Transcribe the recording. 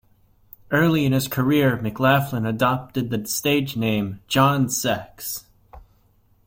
Early in his career, McLaughlin adopted the stage name "John Sex".